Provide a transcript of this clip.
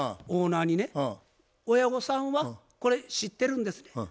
オーナーにね「親御さんはこれ知ってるんですね？